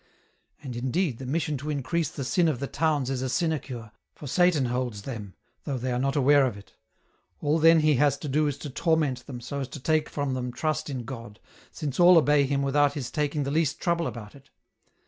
EN ROUTE. 251 " And indeed, the mission to increase the sin of the towns is a sinecure, for Satan holds them, though they are not aware of it ; all then he has to do is to torment them so as to take from them trust in God, since all obey him without his taking the least trouble about it.